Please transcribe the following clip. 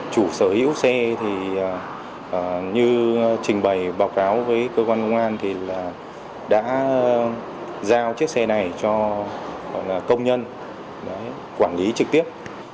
như trình bày báo cáo với cơ quan công an thì đã giao chiếc xe này cho công nhân quản lý trực tiếp